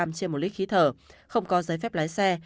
trên một lít khí thở không có giấy phép lái xe